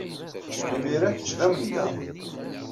Imir-a, kečč d amengaḍ.